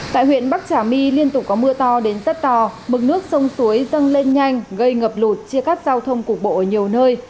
tại huyện bắc trà my liên tục có mưa to đến rất to mực nước sông suối dâng lên nhanh gây ngập lụt chia cắt giao thông cục bộ ở nhiều nơi